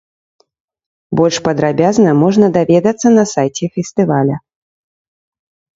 Больш падрабязна можна даведацца на сайце фестываля.